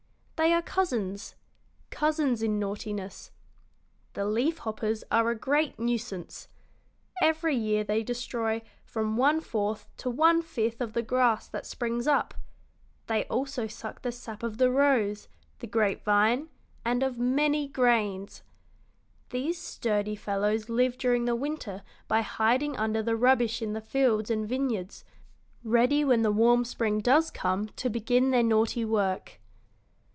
They are cousins cousins in naughtiness. The leaf hoppers are a great nuisance. Every year they destroy from one fourth to one fifth of the grass that springs up. They also suck the sap of the rose, the grape vine, and of many grains. These sturdy fellows live during the winter by hiding under the rubbish in the fields and vineyards, ready when the warm spring does come to begin their naughty work."